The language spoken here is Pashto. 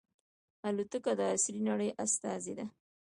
الوتکه د عصري نړۍ استازې ده.